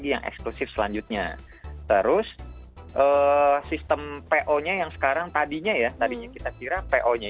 yang eksklusif selanjutnya terus sistem po nya yang sekarang tadinya ya tadinya kita kira po nya